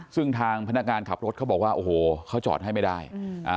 ซึ่งทางพนักงานขับรถเขาบอกว่าโอ้โหเขาจอดให้ไม่ได้